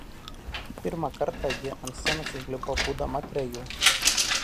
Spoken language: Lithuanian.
Pirmą kartą ji ant scenos užlipo būdama trejų.